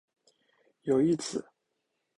有一子。